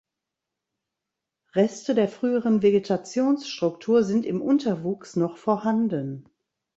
Reste der früheren Vegetationsstruktur sind im Unterwuchs noch vorhanden.